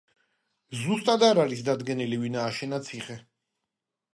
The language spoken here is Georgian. ზუსტად არ არის დადგენილი, ვინ ააშენა ციხე.